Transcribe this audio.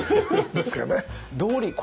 ですかね。